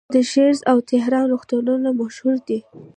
د شیراز او تهران روغتونونه مشهور دي.